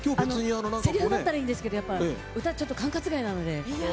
せりふだったらいいんですけど歌はちょっと管轄外なので。